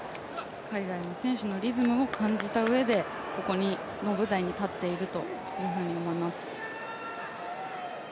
海外の選手のリズムも感じたうえで、ここの舞台に立っていると思います。